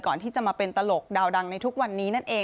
ก่อนที่จะมาเป็นตลกดาวดังในทุกวันนี้นั่นเอง